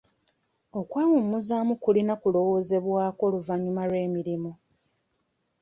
Okwewummuzaamu kulina kulowoozebwako oluvannyuma lw'emirimu.